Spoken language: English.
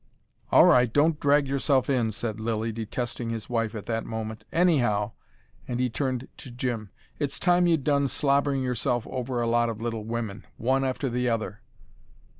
"All right. Don't drag yourself in," said Lilly, detesting his wife at that moment. "Anyhow," and he turned to Jim, "it's time you'd done slobbering yourself over a lot of little women, one after the other."